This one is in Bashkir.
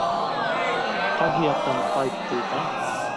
— Ҡайһы яҡтан ҡайтты икән?